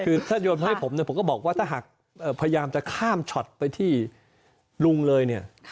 คือถ้าโยนมาให้ผมเนี่ยผมก็บอกว่าถ้าหากพยายามจะข้ามช็อตไปที่ลุงเลยเนี่ย